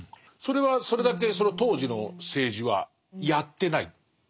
それはそれだけ当時の政治はやってない？